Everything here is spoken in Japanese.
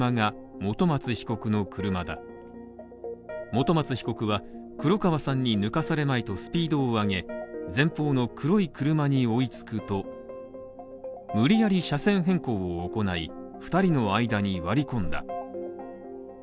本松被告は黒川さんに抜かされまいとスピードを上げ、前方の黒い車に追いつくと、無理やり車線変更を行い、２人の間に割り込んだ。